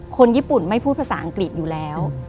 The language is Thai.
คนญี่ปุ่นไม่พูดภาษาอังกฤษอยู่แล้ว